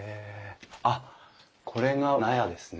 あっこれが納屋ですね。